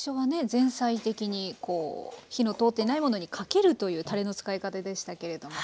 前菜的に火の通っていないものにかけるというたれの使い方でしたけれども。